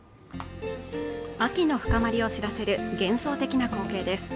秋の深まりを知らせる幻想的な光景です。